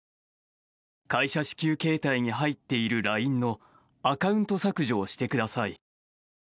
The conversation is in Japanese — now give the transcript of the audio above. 会社支給携帯に入っているＬＩＮＥのアカウント削除をしてください。